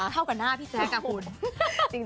เท่ากับหน้าพี่แจ๊กอะคุณ